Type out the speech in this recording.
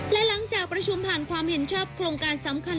และหลังจากประชุมผ่านความเห็นชอบโครงการสำคัญ